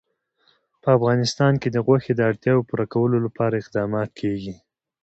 په افغانستان کې د غوښې د اړتیاوو پوره کولو لپاره اقدامات کېږي.